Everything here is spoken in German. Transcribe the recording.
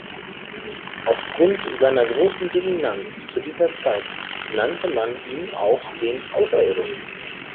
Aufgrund seiner großen Dominanz zu dieser Zeit nannte man ihn auch den "Außerirdischen.